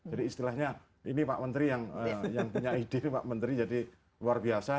jadi istilahnya ini pak menteri yang punya ide pak menteri jadi luar biasa